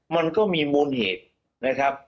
มันก็มีมูลเหตุนะครับ